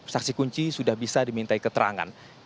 saksi kunci sudah bisa dimintai keterangan